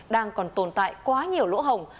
đang còn tồn tại quá nhiều lỗ hồng